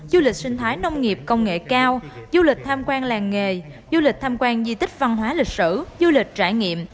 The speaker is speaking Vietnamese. du lịch sinh thái nông nghiệp công nghệ cao du lịch tham quan làng nghề du lịch tham quan di tích văn hóa lịch sử du lịch trải nghiệm